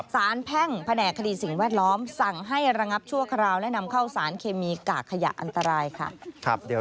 แพ่งแผนกคดีสิ่งแวดล้อมสั่งให้ระงับชั่วคราวและนำเข้าสารเคมีกากขยะอันตรายค่ะ